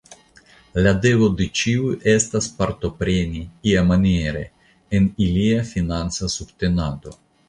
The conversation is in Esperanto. La devo de ĉiu estas partopreni, iamaniere, en ilia financa subtenado.